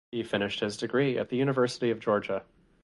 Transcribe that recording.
He finished his degree at the University of Georgia.